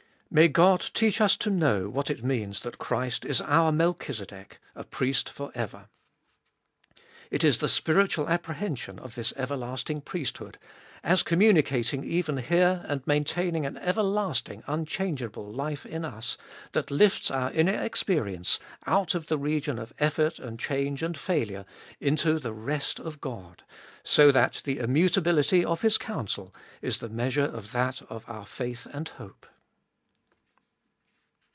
May God teach us to know what it means that Christ is our Melchizedek, a Priest for ever. It is the spiritual apprehension of this everlasting priesthood, as communicating even here and maintaining an everlasting, unchangeable life in us, that lifts our inner experience out of the region of effort, and change, and failure, into the rest of God, so that the immutability of His counsel is the measure of that of our faith and hope.